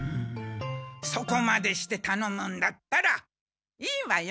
そこまでしてたのむんだったらいいわよ。